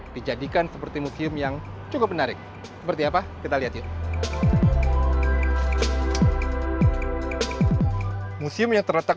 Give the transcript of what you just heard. dijadikan seperti museum yang cukup menarik seperti apa kita lihat yuk museum yang terletak